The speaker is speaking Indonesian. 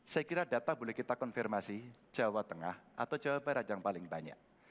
saya kira data boleh kita konfirmasi jawa tengah atau jawa barat yang paling banyak